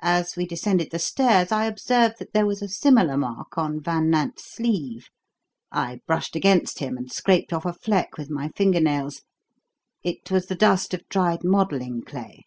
As we descended the stairs I observed that there was a similar mark on Van Nant's sleeve. I brushed against him and scraped off a fleck with my finger nails. It was the dust of dried modelling clay.